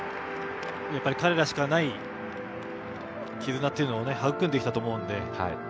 彼らしかない絆というのを育んできたと思うので。